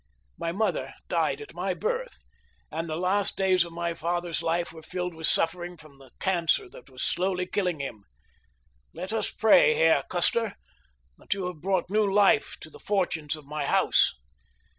"My mother died at my birth, and the last days of my father's life were filled with suffering from the cancer that was slowly killing him. Let us pray, Herr Custer, that you have brought new life to the fortunes of my house."